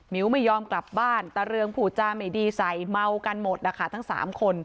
ไม่ยอมกลับบ้านตาเรืองผูจาไม่ดีใส่เมากันหมดนะคะทั้งสามคน